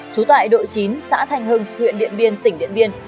trú tại đội chín xã thanh hưng huyện điện biên tỉnh điện biên